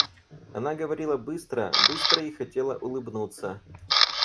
Она говорила быстро, быстро и хотела улыбнуться.